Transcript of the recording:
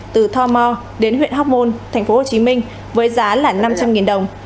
từ tho mò đến huyện hóc môn tp hcm với giá là năm trăm linh đồng